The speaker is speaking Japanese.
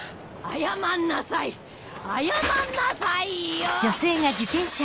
謝んなさいよ！